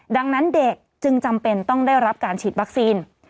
ดังนั้นเด็กจึงจำเป็นต้องได้รับการฉีดวัคซีน